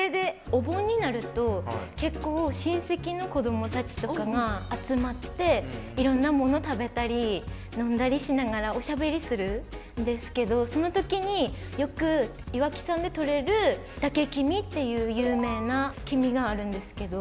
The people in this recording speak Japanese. お盆になると結構親戚の子どもたちとかが集まっていろんなもの食べたり飲んだりしながらおしゃべりするんですけどその時によく岩木山で取れる嶽きみっていう有名なきみがあるんですけど。